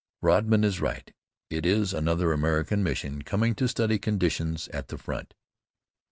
Rodman is right. It is another American mission coming to "study conditions" at the front.